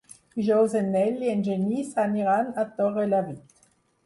Dijous en Nel i en Genís aniran a Torrelavit.